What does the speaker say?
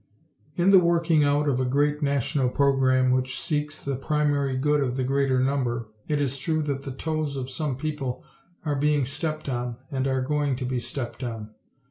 In the working out of a great national program which seeks the primary good of the greater number, it is true that the toes of some people are being stepped on and are going to be stepped on.